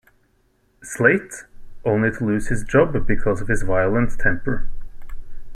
Slate, only to lose his job because of his violent temper.